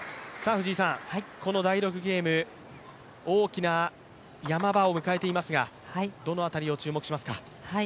この第６ゲーム大きなヤマ場を迎えていますが、どの当たりを注目しますか？